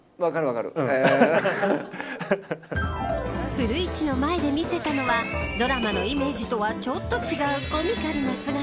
古市の前で見せたのはドラマのイメージとはちょっと違うコミカルな姿。